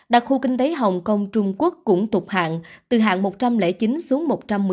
đặc khu kinh tế hồng kông trung quốc cũng tục hạn từ hạng một trăm linh chín xuống một trăm một mươi